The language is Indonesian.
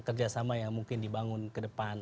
kerjasama yang mungkin dibangun ke depan